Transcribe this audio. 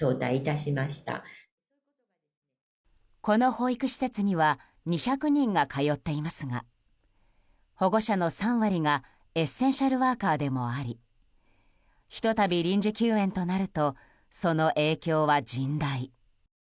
この保育施設には２００人が通っていますが保護者の３割がエッセンシャルワーカーでもありひと度、臨時休園となるとその影響は甚大。